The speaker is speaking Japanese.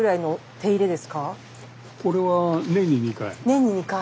これは年に２回？